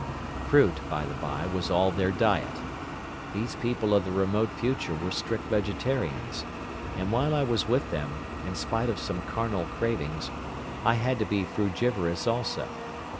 "Fruit, by the bye, was all their diet. These people of the remote future were strict vegetarians, and while I was with them, in spite of some carnal cravings, I had to be frugivorous also.